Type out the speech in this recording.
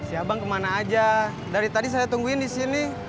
ya bang kemana aja dari tadi saya tungguin di sini